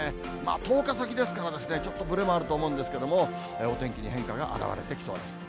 １０日先ですからですね、ちょっとぶれもあると思うんですけれども、お天気に変化が表れてきそうです。